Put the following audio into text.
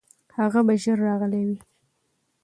هغه به ژر راغلی وي.